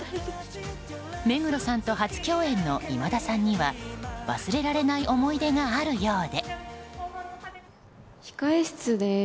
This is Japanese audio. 目黒さんと初共演の今田さんには忘れられない思い出があるようで。